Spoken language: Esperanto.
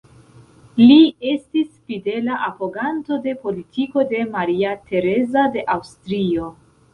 Li estis fidela apoganto de politiko de Maria Tereza de Aŭstrio.